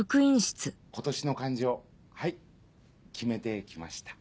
「今年の漢字」をはい決めてきました。